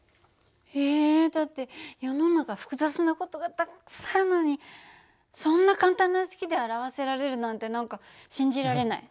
えだって世の中複雑な事がたっくさんあるのにそんな簡単な式で表せられるなんて何か信じられない。